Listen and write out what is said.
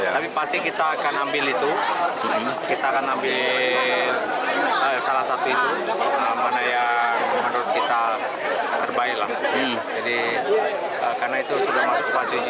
sriwijaya fc mencari pengalaman yang lebih jauh lagi